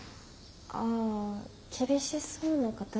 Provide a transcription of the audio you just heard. ああ厳しそうな方ですね。